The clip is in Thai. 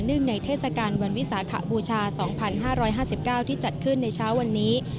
ในเทศกาลวันวิสาขบูชา๒๕๕๙ที่จัดขึ้นในเช้าวันนี้